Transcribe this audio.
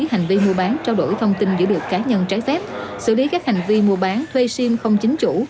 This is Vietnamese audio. hành vi mua bán trao đổi thông tin giữ được cá nhân trái phép xử lý các hành vi mua bán thuê sim không chính chủ